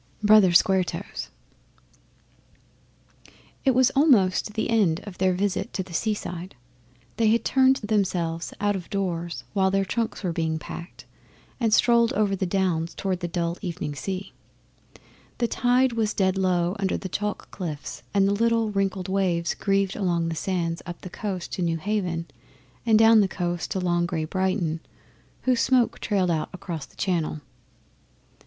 Brother Square Toes It was almost the end of their visit to the seaside. They had turned themselves out of doors while their trunks were being packed, and strolled over the Downs towards the dull evening sea. The tide was dead low under the chalk cliffs, and the little wrinkled waves grieved along the sands up the coast to Newhaven and down the coast to long, grey Brighton, whose smoke trailed out across the Channel.